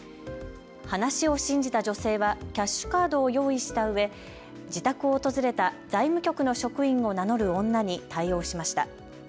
話を信じた女性はキャッシュカードを用意したうえ自宅を訪れた財務局の職員を名乗る女に対応しました。